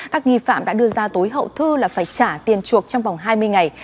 các nghi phạm đã đưa ra tối hậu thư là phải trả tiền chuộc trong vòng hai mươi ngày